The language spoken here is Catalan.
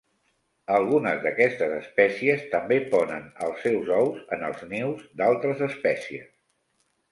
Algunes d'aquestes espècies també ponen els seus ous en els nius d'altres espècies.